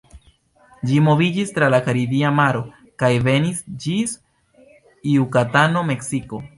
Ĝi moviĝis tra la Karibia Maro, kaj venis ĝis Jukatano, Meksiko.